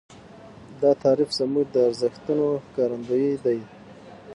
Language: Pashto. دا تعریف زموږ د ارزښتونو ښکارندوی دی.